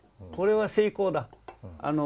これは成功だ。